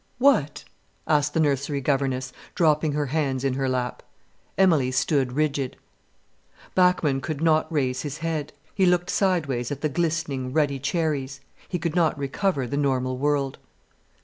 "What?" asked the nursery governess, dropping her hands in her lap. Emilie stood rigid. Bachmann could not raise his head. He looked sideways at the glistening, ruddy cherries. He could not recover the normal world.